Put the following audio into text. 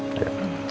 pun yi si